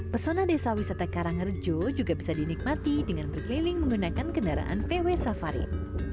pesona desa wisata karangrejo juga bisa dinikmati dengan berkeliling menggunakan kendaraan vw safari